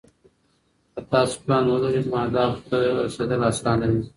که تاسو پلان ولرئ نو اهدافو ته رسیدل اسانه دي.